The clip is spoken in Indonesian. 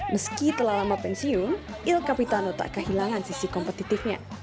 meski telah lama pensiun il capitano tak kehilangan sisi kompetitifnya